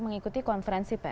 mengikuti konferensi pers